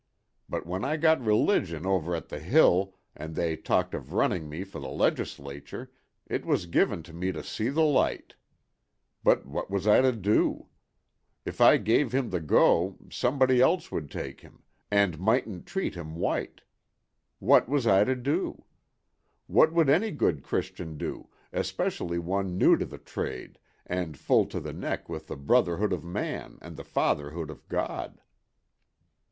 But when I got religion over at the Hill and they talked of running me for the Legislature it was given to me to see the light. But what was I to do? If I gave him the go somebody else would take him, and mightn't treat him white. What was I to do? What would any good Christian do, especially one new to the trade and full to the neck with the brotherhood of Man and the fatherhood of God?"